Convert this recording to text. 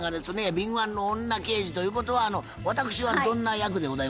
敏腕の女刑事ということは私はどんな役でございますかね？